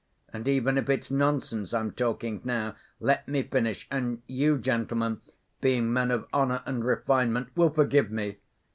And even if it's nonsense I'm talking now, let me finish, and you, gentlemen, being men of honor and refinement, will forgive me!